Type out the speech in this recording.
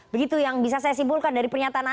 begitu yang bisa saya simpulkan dari pernyataan anda